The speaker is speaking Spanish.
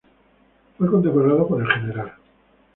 Fue condecorado por el Gral.